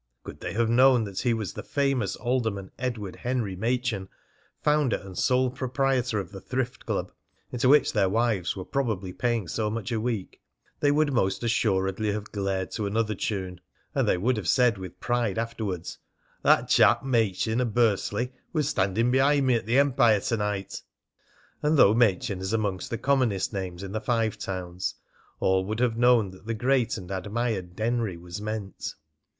Could they have known that he was the famous Alderman Edward Henry Machin, founder and sole proprietor of the Thrift Club, into which their wives were probably paying so much a week, they would most assuredly have glared to another tune, and they would have said with pride afterwards, "That chap Machin o' Bursley was standing behind me at the Empire to night." And though Machin is amongst the commonest names in the Five Towns, all would have known that the great and admired Denry was meant.